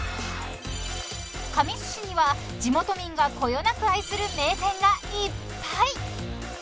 ［神栖市には地元民がこよなく愛する名店がいっぱい］